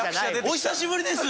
お久しぶりです。